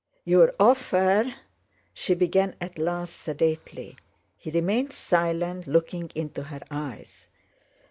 "Your offer..." she began at last sedately. He remained silent, looking into her eyes.